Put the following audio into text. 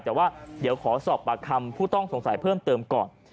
แต่ว่าเดี๋ยวขอสอบปากคำผู้ต้องสงสัยเพิ่มเติมก่อน